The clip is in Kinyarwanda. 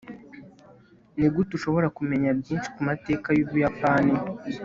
nigute ushobora kumenya byinshi ku mateka y'ubuyapani